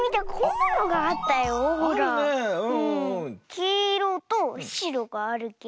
きいろとしろがあるけど。